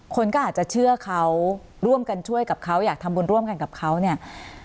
คนก็อาจจะเชื่อเขาร่วมกันช่วยกับเขาอยากทำบุญร่วมกันกับเขาเนี่ย